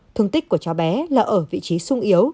thương tích của cháu bé là ở vị trí sung yếu